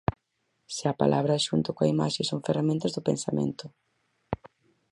Se a palabra xunto coa imaxe son ferramentas do pensamento!